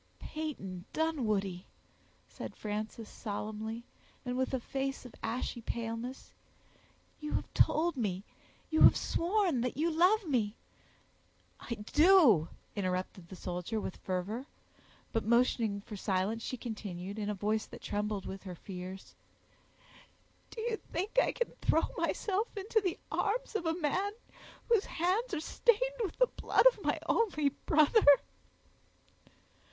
"Peyton Dunwoodie!" said Frances, solemnly, and with a face of ashy paleness, "you have told me—you have sworn, that you love me——" "I do," interrupted the soldier, with fervor; but motioning for silence she continued, in a voice that trembled with her fears,— "Do you think I can throw myself into the arms of a man whose hands are stained with the blood of my only brother!"